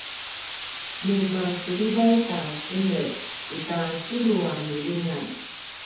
nu pasuvililj ta cengelj itja tjelu a milingan